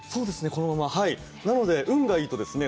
このままなので運がいいとですね